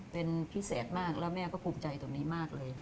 เป็นพิเศษมากแล้วแม่ก็ภูมิใจตรงนี้มากเลย